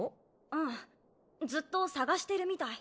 うんずっと探してるみたい。